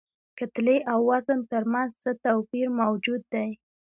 کتلې او وزن تر منځ څه توپیر موجود دی؟